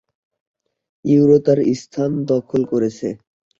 Euro তার স্থান দখল করেছে।